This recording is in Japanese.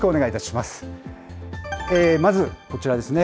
まずこちらですね。